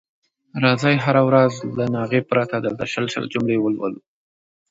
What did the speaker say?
راځئ هره ورځ له ناغې پرته دلته شل شل جملې ولولو.